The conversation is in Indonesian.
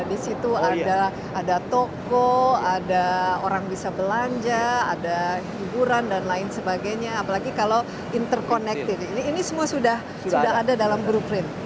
di situ ada toko ada orang bisa belanja ada hiburan dan lain sebagainya apalagi kalau interconnected ini semua sudah ada dalam blueprint